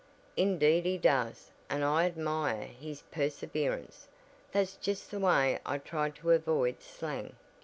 Indeed he does and I admire his perseverance. That's just the way I try to avoid slang."